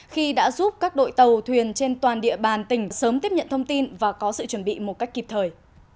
khi đã giúp các đội tàu thuyền trên toàn địa bàn tỉnh sớm tiếp nhận thông tin và có sự chuẩn bị một cách kịp thời